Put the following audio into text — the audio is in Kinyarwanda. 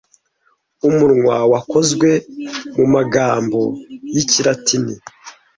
umunwa wakozwe mumagambo yikilatini